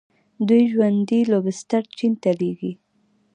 دوی ژوندي لوبسټر چین ته لیږي.